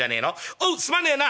「おうすまねえな」。